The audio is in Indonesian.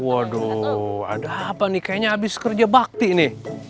waduh ada apa nih kayaknya habis kerja bakti nih